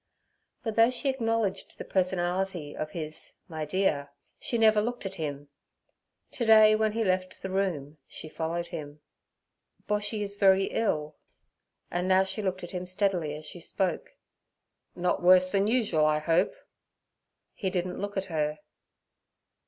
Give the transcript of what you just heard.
But though she acknowledged the personality of his 'my dear' she never looked at him. To day when he left the room, she followed him. 'Boshy is very ill;' and now she looked at him steadily as she spoke. 'Not worse than usual, I hope? He didn't look at her.